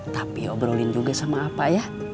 tapi obrolin juga sama apa ya